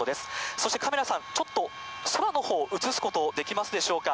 そして、カメラさん、ちょっと空のほう、映すことできますでしょうか？